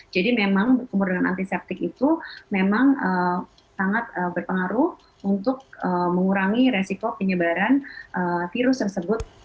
jadi memang berkumur dengan antiseptik itu memang sangat berpengaruh untuk mengurangi resiko penyebaran virus tersebut